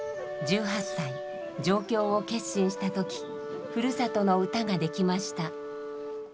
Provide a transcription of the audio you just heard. １８歳上京を決心した時ふるさとの歌ができました。